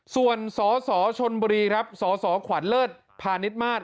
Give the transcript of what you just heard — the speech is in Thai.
ส่วนสสชนบุรีครับสสขวัญเลิศพาณิชมาส